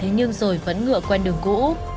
nhưng rồi vẫn ngựa quen đường cũ